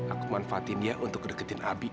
aku manfaatin dia untuk deketin abi